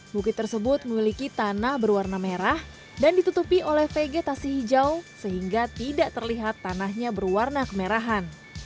bukit tersebut memiliki tanah berwarna merah dan ditutupi oleh vegetasi hijau sehingga tidak terlihat tanahnya berwarna kemerahan